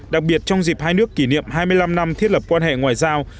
đặc biệt trong dịp hai nước kỷ niệm hai mươi năm năm thiết lập quan hệ ngoại giao